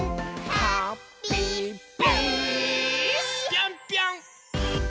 ぴょんぴょん！